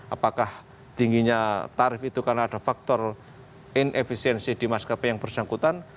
apakah tingginya tarif itu karena ada faktor inefisiensi di maskapai yang bersangkutan